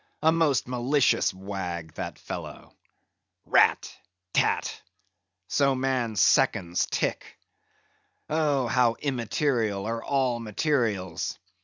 A most malicious wag, that fellow. Rat tat! So man's seconds tick! Oh! how immaterial are all materials!